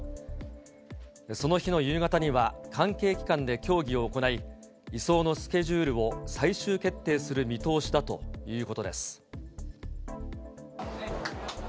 その日の夕方には、関係機関で協議を行い、移送のスケジュールを最終決定する見通しだということです。